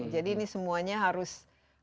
jadi ini semuanya harus dikonsumsi